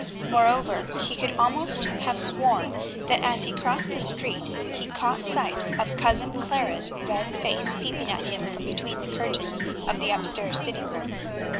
Moreover, he could almost have sworn that, as he crossed the street, he caught sight of Cousin Clara's red face peeping at him from between the curtains of the upstairs sitting room.